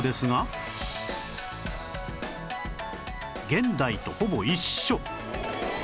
現代とほぼ一緒